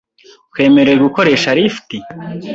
Twemerewe gukoresha lift?